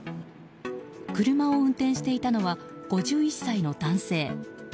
車を運転していたのは５１歳の男性。